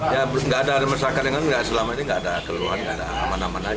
ya nggak ada masyarakat yang ngeluh selama ini nggak ada keluhan nggak ada mana mana